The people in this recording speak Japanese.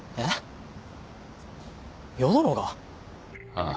ああ。